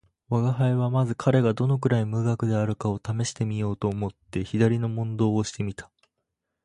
吾輩はまず彼がどのくらい無学であるかを試してみようと思って左の問答をして見た